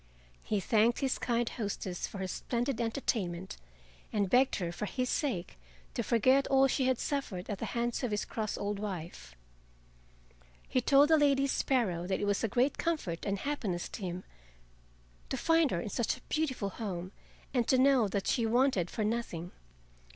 He thanked his kind hostess for her splendid entertainment, and begged her for his sake to forget all she had suffered at the hands of his cross old wife. He told the Lady Sparrow that it was a great comfort and happiness to him to find her in such a beautiful home and to know that she wanted for nothing.